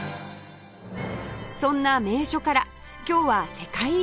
そんな名所から今日は世界遺産巡りへ